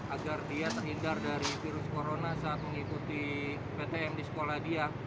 agar dia terhindar dari virus corona saat mengikuti ptm di sekolah dia